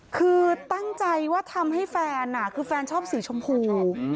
คือตั้งใจว่าทำให้แฟนคือแฟนชอบสีชมพู